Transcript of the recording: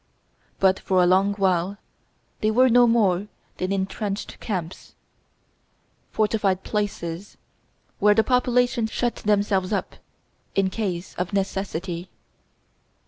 But for a long while they were no more than intrenched camps, fortified places, where the population shut themselves up in case of necessity.